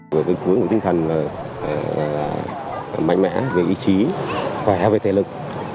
với cái cuối một tinh thần mạnh mẽ về ý chí khỏe về thể lực